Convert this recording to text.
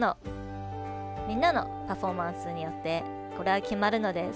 みんなのパフォーマンスによってこれは決まるので。